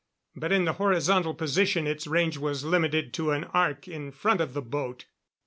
But in the horizontal position its range was limited to an arc in front of the boat.